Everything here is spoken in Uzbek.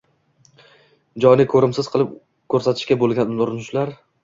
joyni ko‘rimsiz qilib ko‘rsatishga bo‘lgan urinishlar